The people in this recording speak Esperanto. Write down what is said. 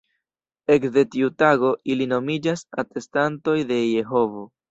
Ekde tiu tago, ili nomiĝas "Atestantoj de Jehovo".